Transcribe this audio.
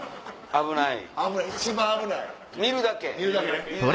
危ない！